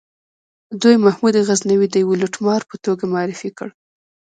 دوی محمود غزنوي د یوه لوټمار په توګه معرفي کړ.